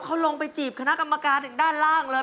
เขาลงไปจีบคณะกรรมการถึงด้านล่างเลย